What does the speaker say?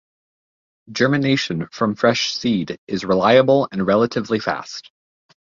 Germination from fresh seed is reliable and relatively fast.